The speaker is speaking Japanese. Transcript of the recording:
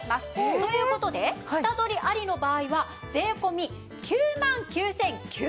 という事で下取りありの場合は税込９万９９００円です。